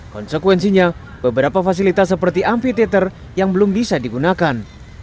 konsekuensinya beberapa fasilitas seperti amfiteter yang belum bisa digunakan